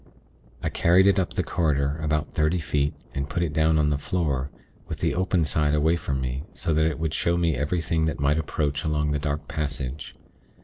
I carried it up the corridor, about thirty feet, and put it down on the floor, with the open side away from me, so that it would show me anything that might approach along the dark passage.